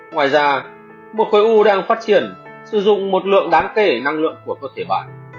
ngoài ra một khối u đang phát triển sử dụng một lượng đáng kể năng lượng của cơ thể bạn